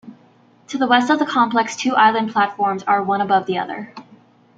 To the west of the complex two island platforms are one above the other.